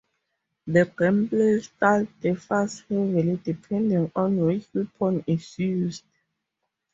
The gameplay style differs heavily depending on which weapon is used.